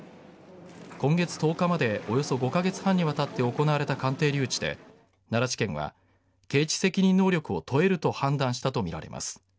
今月１０日までおよそ５カ月半にわたって行われた鑑定留置で奈良地検は刑事責任能力を問えると判断したとみられます。